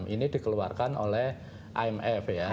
ini dikeluarkan oleh imf ya